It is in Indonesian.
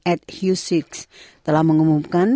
ed husex telah mengumumkan